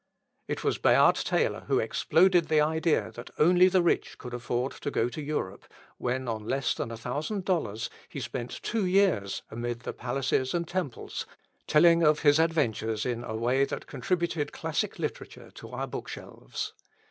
It was Bayard Taylor who exploded the idea that only the rich could afford to go to Europe, when on less than a thousand dollars he spent two years amid the palaces and temples, telling of his adventures in a way that contributed classic literature to our book shelves.